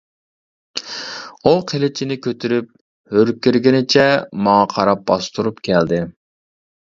ئۇ قىلىچىنى كۆتۈرۈپ ھۆركىرىگىنىچە ماڭا قاراپ باستۇرۇپ كەلدى.